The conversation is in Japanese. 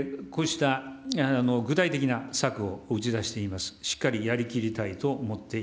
こうした具体的な策を打ち出しています。